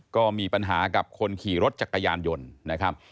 ก็มีปัญหากับคนขี่รถจักรยานยนต์นะครับ